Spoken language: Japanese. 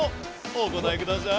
お答えください。